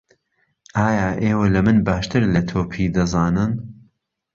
ئایا ئێوه له من باشتر له تۆپی دهزانن